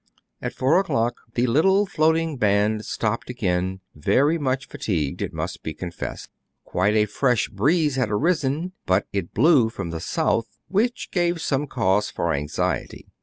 At four o'clock the little floating band stopped again, very much fatigued, it must be confessed. Quite a fresh breeze had arisen ; but it blew from the south, which gave some cause for anxiety.